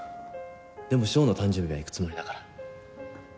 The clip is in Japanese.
でもショーンの誕生日は行くつもりだから。